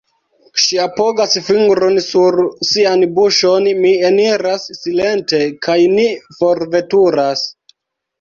Ŝi apogas fingron sur sian buŝon, mi eniras silente, kaj ni forveturas.